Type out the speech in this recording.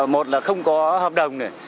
một là không có hợp đồng này